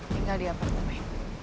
tinggal di apartemen